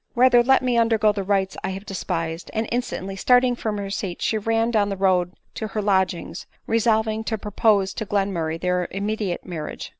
Rather let me undergo the rites I have despised!" and instantly stalling from her seat she ran down the road to her lodgings, resolving to propose to Glenmurray their immediate marriage.